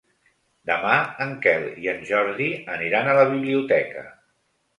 Demà en Quel i en Jordi aniran a la biblioteca.